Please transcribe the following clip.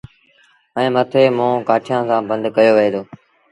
ائيٚݩ مٿي منهن ڪآٺيٚآن سآݩ بند ڪيو وهي دو۔